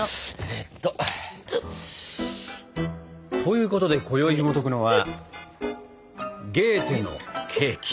えっと。ということでこよいひもとくのは「ゲーテのケーキ」！